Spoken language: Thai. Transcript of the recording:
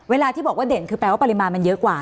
เวลาที่บอกว่าเด่นคือแปลว่าปริมาณมันเยอะกว่า